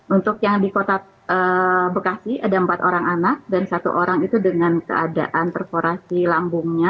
untuk yang di kota bekasi ada empat orang anak dan satu orang itu dengan keadaan perkorasi lambungnya